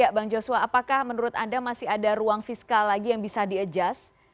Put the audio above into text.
ya bang joshua apakah menurut anda masih ada ruang fiskal lagi yang bisa diadjust